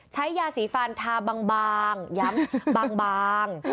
ใช้ยาสีฟันทาบางย้ำบาง